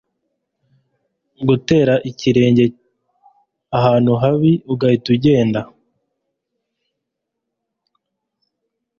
gutera ikirenge ahantu habi ugahita ugenda,